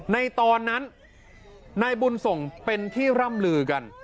ในตอนนั้นนายบุญส่งเป็นที่ร่ำลือกัน